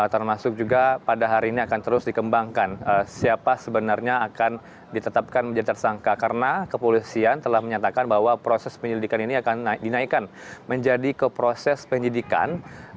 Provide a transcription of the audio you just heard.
termasuk juga pada hari ini akan terus dikembangkan siapa sebenarnya akan ditetapkan menjadi tersangka karena kepolisian telah menyatakan bahwa proses penyelidikan ini akan dinaikkan menjadi ke proses penyidikan